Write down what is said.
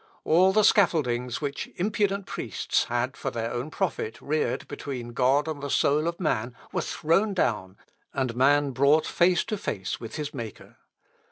All the scaffoldings which impudent priests had, for their own profit, reared between God and the soul of man, were thrown down, and man brought face to face with his Maker.